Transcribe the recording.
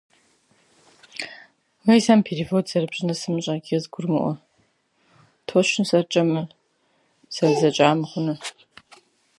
Абай рассматривал национальное пробуждение и интеллектуальное развитие как основу для процветания и независимости народа.